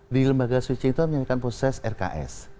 di lembaga switching itu menjalankan proses rks